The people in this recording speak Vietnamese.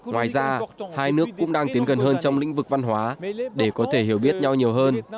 ngoài ra hai nước cũng đang tiến gần hơn trong lĩnh vực văn hóa để có thể hiểu biết nhau nhiều hơn